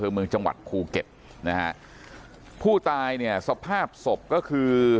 เมืองจังหวัดภูเก็ตนะฮะผู้ตายเนี่ยสภาพศพก็คือ